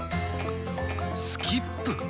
スキップ？